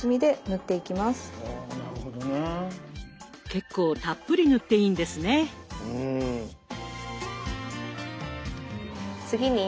結構たっぷり塗っていいんですね。